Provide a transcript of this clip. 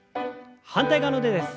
反対側の腕です。